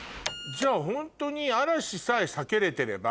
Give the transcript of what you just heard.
じゃあホントに嵐さえ避けれてれば。